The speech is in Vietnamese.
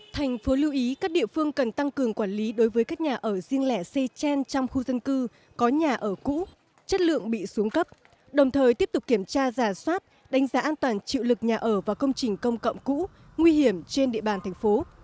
thành phố lưu ý các địa phương cần tăng cường quản lý đối với các nhà ở riêng lẻ xây trên trong khu dân cư có nhà ở cũ chất lượng bị xuống cấp đồng thời tiếp tục kiểm tra giả soát đánh giá an toàn chịu lực nhà ở và công trình công cộng cũ nguy hiểm trên địa bàn thành phố